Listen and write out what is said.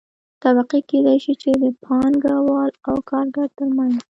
طبقې کيدى شي چې د پانګه وال او کارګر ترمنځ